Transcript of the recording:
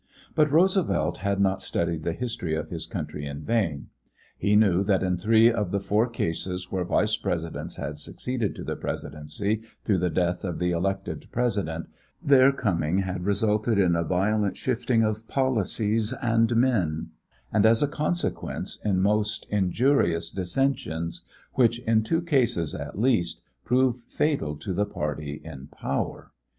But Roosevelt had not studied the history of his country in vain. He knew that in three of the four cases where Vice Presidents had succeeded to the Presidency through the death of the elected President their coming had resulted in a violent shifting of policies and men, and, as a consequence, in most injurious dissensions, which in two cases at least proved fatal to the party in power.